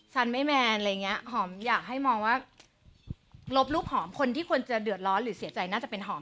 ไม่แมนอะไรอย่างเงี้หอมอยากให้มองว่าลบรูปหอมคนที่ควรจะเดือดร้อนหรือเสียใจน่าจะเป็นหอม